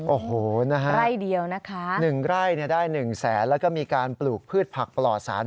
โอ้โหนะครับหนึ่งไร่ได้หนึ่งแสนแล้วก็มีการปลูกพืชผักปลอดศาล